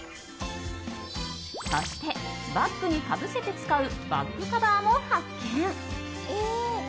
そして、バッグにかぶせて使うバッグカバーも発見。